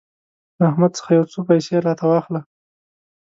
له احمد څخه يو څو پيسې راته واخله.